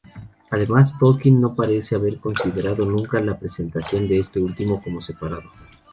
Además, Tolkien no parece haber considerado nunca la presentación de este último como separado.